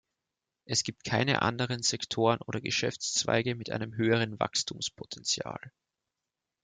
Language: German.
Es gibt keine anderen Sektoren oder Geschäftszweige mit einem höheren Wachstumspotenzial.